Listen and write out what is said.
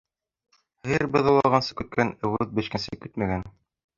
Һыйыр быҙаулағансы көткән, ыуыҙ бешкәнсе көтмәгән.